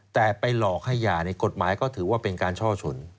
แต่ไปหลอกให้หย่าในกฎหมายก็ถือว่าเป็นการช่อชน